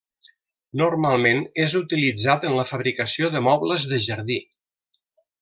Normalment és utilitzat en la fabricació de mobles de jardí.